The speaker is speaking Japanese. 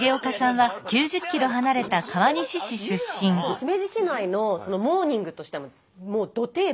姫路市内のモーニングとしてはもうど定番。